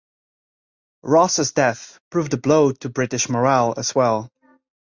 Ross's death proved a blow to British morale as well.